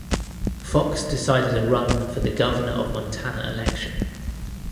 Fox decided to run for the Governor of Montana election.